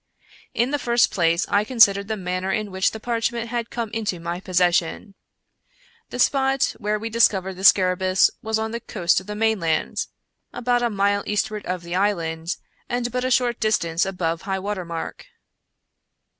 In the first place I considered the manner in which the parchment had come into my possession. The spot where we discovered the scarabccus was on the coast of the mainland, about a mile eastward of the island, and but a short distance above high water mark.